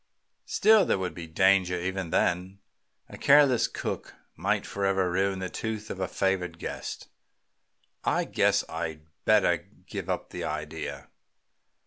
Still, there would be danger even then. A careless cook might forever ruin the tooth of a favored guest. I guess I'd better give up the idea."